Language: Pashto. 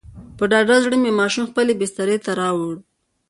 په ډاډه زړه مې ماشوم خپلې بسترې ته راووړ.